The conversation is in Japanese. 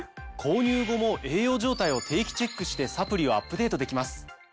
購入後も栄養状態を定期チェックしてサプリをアップデートできます。